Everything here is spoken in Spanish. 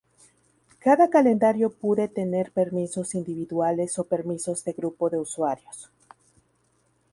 Cada calendario pude tener permisos individuales o permisos de grupo de usuarios.